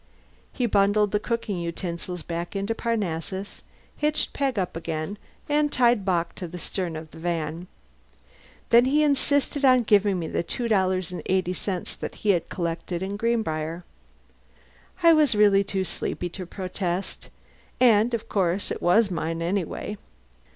He bundled the cooking utensils back into Parnassus, hitched Peg up again, and tied Bock to the stern of the van. Then he insisted on giving me the two dollars and eighty cents he had collected in Greenbriar. I was really too sleepy to protest, and of course it was mine anyway.